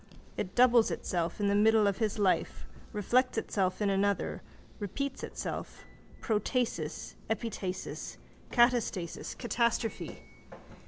It doubles itself in the middle of his life, reflects itself in another, repeats itself, protasis, epitasis, catastasis, catastrophe.